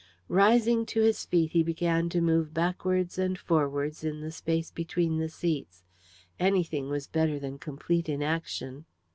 Rising to his feet, he began to move backwards and forwards in the space between the seats anything was better than complete inaction.